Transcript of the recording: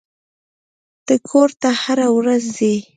ته کور ته هره ورځ ځې.